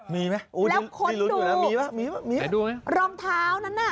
มีไหมแล้วคนดูรองเท้านั้นน่ะ